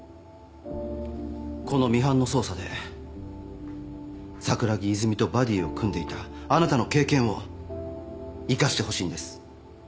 このミハンの捜査で桜木泉とバディを組んでいたあなたの経験を生かしてほしいんです。